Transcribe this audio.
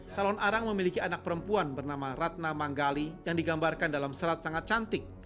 calon arang memiliki anak perempuan bernama ratna manggali yang digambarkan dalam serat sangat cantik